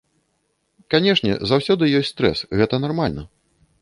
Канечне, заўсёды ёсць стрэс, гэта нармальна.